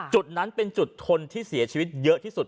จุดนั้นเป็นจุดทนที่เสียชีวิตเยอะที่สุด